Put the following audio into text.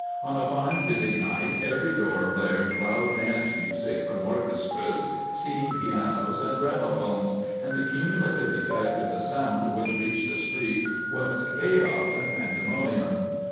On a fine busy night every door blared loud dance music from orchestras, steam pianos and gramaphones, and the cumulative effect of the sound which reached the street was chaos and pandemonium.